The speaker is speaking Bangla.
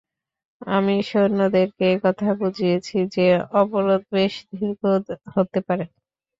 আমি সৈন্যদেরকে একথা বুঝিয়েছি যে, অবরোধ বেশ দীর্ঘ হতে পারে।